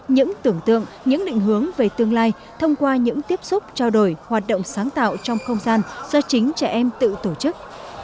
những tưởng tượng những định hướng về tương lai thông qua những tiếp xúc trao đổi hoạt động sáng tạo trong không gian do chính trẻ em tự tổ chức